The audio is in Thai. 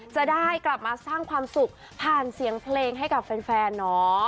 จะได้กลับมาสร้างความสุขผ่านเสียงเพลงให้กับแฟนเนาะ